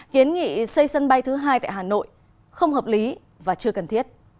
kiến nghị xây sân bay thứ hai tại hà nội không hợp lý và chưa cần thiết